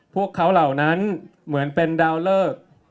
พวกเขาเหล่านั้นเหมือนเป็นดาวเลิก